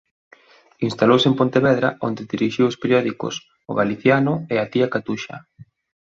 Instalouse en Pontevedra onde dirixiu os periódicos "O Galiciano" e "A Tía Catuxa".